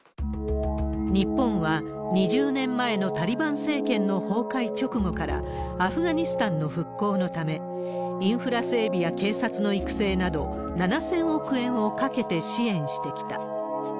日本は２０年前のタリバン政権の崩壊直後から、アフガニスタンの復興のため、インフラ整備や警察の育成など、７０００億円をかけて支援してきた。